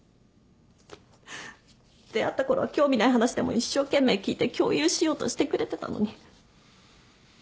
出会ったころは興味ない話でも一生懸命聞いて共有しようとしてくれてたのに。